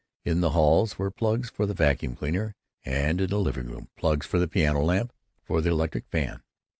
In the halls were plugs for the vacuum cleaner, and in the living room plugs for the piano lamp, for the electric fan.